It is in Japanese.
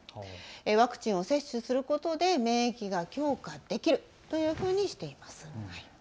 ワクチンを接種することで免疫が強化できるというふうにしています。